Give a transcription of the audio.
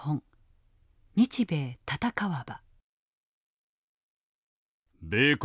「日米戦わば」。